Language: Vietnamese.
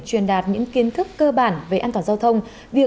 truyền đạt những kiến thức cơ bản về an toàn giao thông